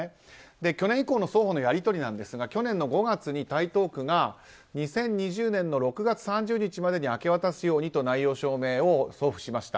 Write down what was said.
去年以降の双方のやり取りですが去年５月に台東区が２０２０年の６月３０日までに明け渡すようにと内容証明を送付しました。